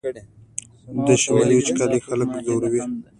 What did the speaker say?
د شمال وچکالي خلک ځوروي